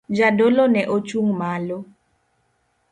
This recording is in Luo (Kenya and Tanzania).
Jadolo ne ochung' malo.